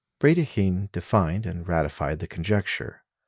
Brédikhine defined and ratified the conjecture.